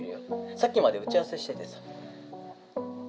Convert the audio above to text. さっきまで打ち合わせしててさ」